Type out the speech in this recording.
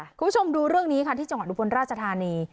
คุณผู้ชมดูเรื่องนี้ค่ะที่จังหวัดอุบลราชธานี